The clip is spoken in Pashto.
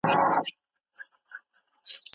ایا ناتاشا د خپل پلار په مرګ ډېره وژړل؟